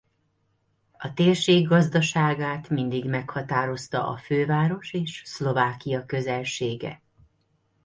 A térség gazdaságát mindig meghatározta a főváros és Szlovákia közelsége.